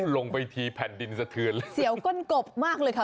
ลงไปทีแผ่นดินสะเทือนเลยเสียวก้นกบมากเลยค่ะ